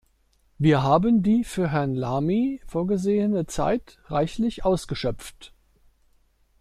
Wir haben die für Herrn Lamy vorgesehene Zeit reichlich ausgeschöpft.